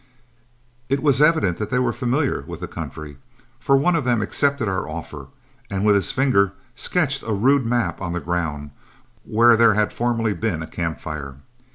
It was evident that they were familiar with the country, for one of them accepted our offer, and with his finger sketched a rude map on the ground where there had formerly been a camp fire.